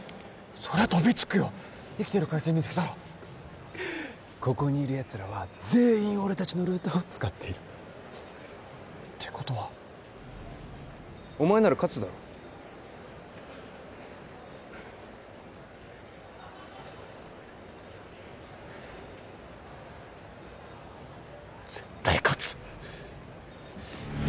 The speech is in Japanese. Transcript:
そりゃ飛びつくよ生きてる回線見つけたらここにいるやつらは全員俺達のルーターを使っているてことはお前なら勝つだろ絶対勝つ